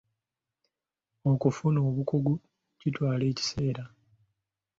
Okufuna obukugu kitwala ekiseera.